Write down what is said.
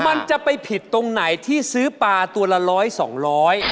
มันจะไปผิดตรงไหนที่ซื้อปลาตัวละ๑๐๐บาท๒๐๐บาท